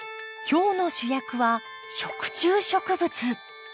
今日の主役は食虫植物。